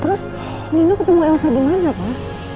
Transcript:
terus nino ketemu elsa dimana pak